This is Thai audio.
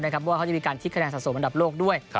ว่าเขาจะมีการคลิ๊กคะแนนสะสมระดับโลกด้วย